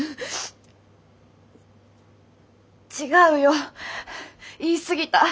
違うよ言い過ぎた。